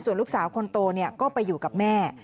ลูกสาวคนโตก็ไปอยู่กับแม่